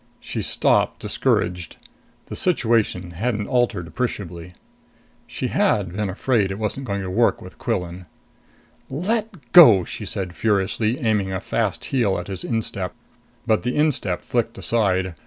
She stopped, discouraged. The situation hadn't altered appreciably. She had been afraid it wasn't going to work with Quillan. "Let go!" she said furiously, aiming a fast heel at his instep. But the instep flicked aside.